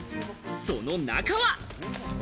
その中は。